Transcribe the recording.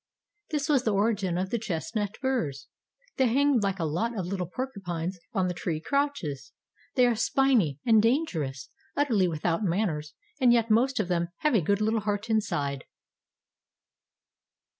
This was the origin of the chestnut burrs. They hang like a lot of little porcupines on the tree crotches. They are spiny, and dangerous, utterly without manners and yet most of them have a good little heart inside.